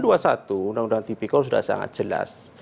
undang undang tipikor sudah sangat jelas